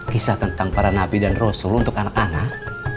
kisah tentang para nabi dan rasul untuk anak anak